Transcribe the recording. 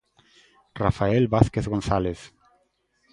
Rafael Vázquez González.